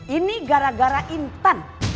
ini gara gara intan